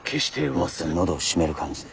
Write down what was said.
もっと喉を締める感じで。